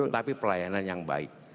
tapi pelayanan yang baik